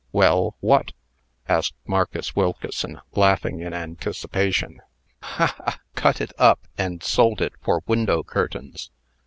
"Well, what?" asked Marcus Wilkeson, laughing in anticipation. "Ha! ha! cut it up, and sold it for window curtains.